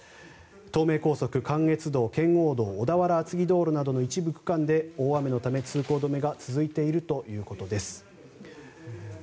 東名高速、関越道、圏央道小田原厚木道路などの一部区間で大雨のため、通行止めが続いているということです。